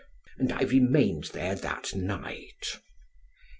And I remained there that night.